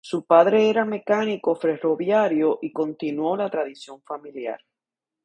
Su padre era mecánico ferroviario y continuó la tradición familiar.